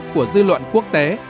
của dư luận quốc tế